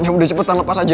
ya udah cepetan lepas aja